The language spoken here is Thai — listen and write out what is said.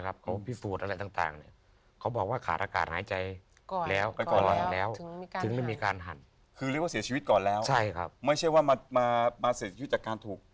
คือเรียกว่าเสียชีวิตก่อนแล้วไม่ใช่ว่ามาเสียชีวิตจากการถูก